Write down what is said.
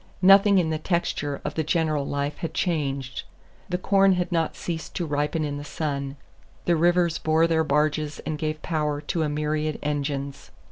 Nothing in the texture of the general life had changed. The corn had not ceased to ripen in the sun. The rivers bore their barges and gave power to a myriad engines.